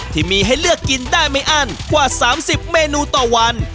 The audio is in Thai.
ที่มีให้เลือกกินได้ไม่อั้นกว่า๓๐เมนูต่อวัน